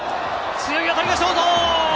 強い当たりはショート！